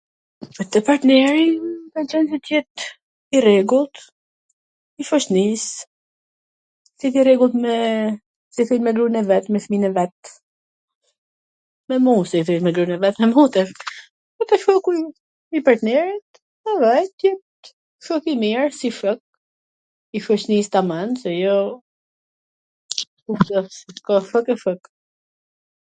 Po te partneri m pwlqen qw t jet i rregullt, i shoqnis, t jet i rregullt me... si thojn... me grun e vet, me fmijn e vet, me mu -se thash me grun e vet- me mu t jet. Po te shoku i partnerit, edhe ai t jet shok i mir, si shok i shoqnis taman, jo, ktw, fwk e fwk.